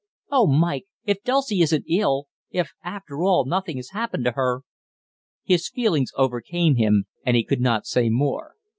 "Oh, Mike, if Dulcie isn't ill, if after all nothing has happened to her " His feelings overcame him, and he could not say more.